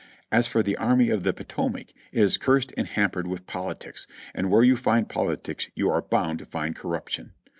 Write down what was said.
As for the Army of the Potomac, it is cursed and hampered with politics, and where you find politics you are bound to find corruption.